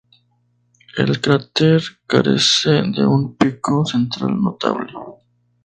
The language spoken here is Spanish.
El cráter carece de un pico central notable.